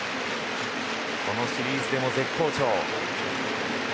このシリーズでも絶好調。